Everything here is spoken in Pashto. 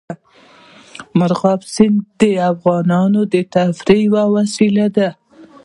مورغاب سیند د افغانانو د تفریح یوه وسیله ده.